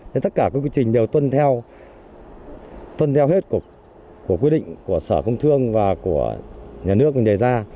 nên tất cả các quy trình đều tuân theo phân theo hết của quy định của sở công thương và của nhà nước đề ra